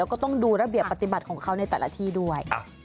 แล้วก็ต้องดูระเบียบปฏิบัติของเขาในแต่ละที่ด้วย